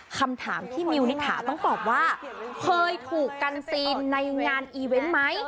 คำถามที่มิวนิถาต้องตอบว่าเคยถูกกันซีนในงานอีเวนต์ไหม